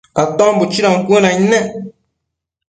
Aton buchido cuënaid nec